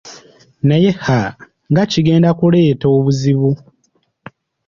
Naye ha nga kigenda ekuleeta obuzibu!